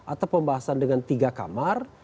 atau pembahasan dengan tiga kamar